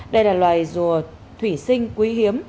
đây là loài rùa thủy sinh quý hiếm